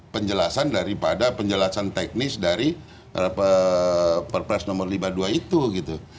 penjelasan daripada penjelasan teknis dari perpres nomor lima puluh dua itu gitu